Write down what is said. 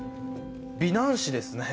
美男子ですね。